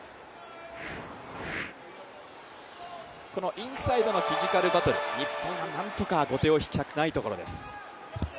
インサイドのフィジカルバトル、日本はなんとか後手を引きたくないところです。